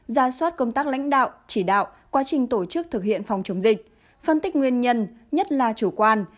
ra soát công tác lãnh đạo chỉ đạo quá trình tổ chức thực hiện phòng chống dịch phân tích nguyên nhân nhất là chủ quan